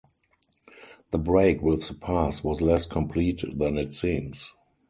The break with the past was less complete than it seems.